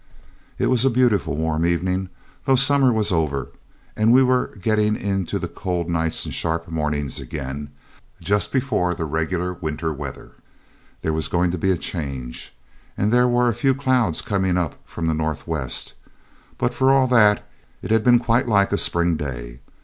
It was a beautiful warm evening, though summer was over, and we were getting into the cold nights and sharp mornings again, just before the regular winter weather. There was going to be a change, and there were a few clouds coming up from the north west; but for all that it had been quite like a spring day.